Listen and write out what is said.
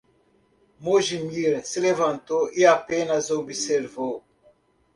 Mojmir se levantou e apenas observou.